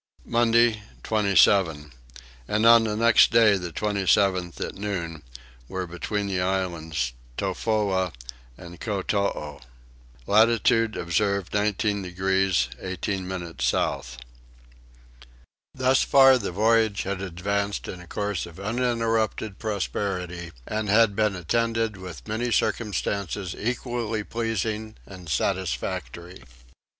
Monday 27. And on the next day the 27th at noon were between the islands Tofoa and Kotoo. Latitude observed 19 degrees 18 minutes south. Thus far the voyage had advanced in a course of uninterrupted prosperity, and had been attended with many circumstances equally pleasing and satisfactory.